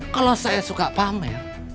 kalau saya suka pamir